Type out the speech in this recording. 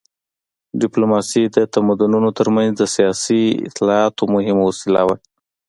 ډیپلوماسي د تمدنونو تر منځ د سیاسي اطلاعاتو مهمه وسیله وه